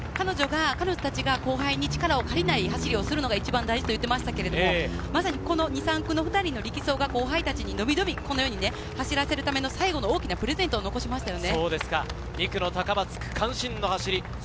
彼女たちが後輩に力を借りない走りをするのが一番大事と言ってましたけど、２３区の２人の力走が後輩たちにのびのび走らせる大きなプレゼントを残しましたよね。